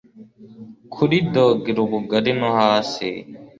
Kuri dogere ubugari no hasi